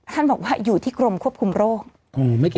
ท่านบอกว่าอยู่ที่กรมควบคุมโรค